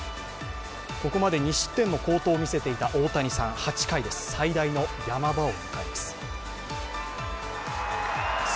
ここまで２失点の好投を見せていた大谷さん、８回、最大の山場を迎えます。